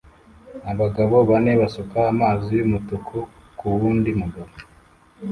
Abagabo bane basuka amazi yumutuku kuwundi mugabo